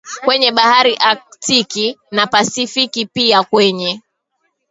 kwenye Bahari Aktiki na Pasifiki pia kwenye